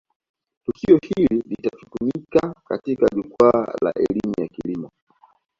tukio hili litatumika kama jukwaa la elimu ya kilimo